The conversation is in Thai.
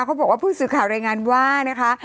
เค้าบอกว่าภูมิสู่ข่าวรายงานว่านะคะ